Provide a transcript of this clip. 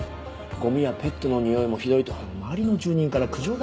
ゴミやペットのにおいもひどいと周りの住人から苦情だらけで。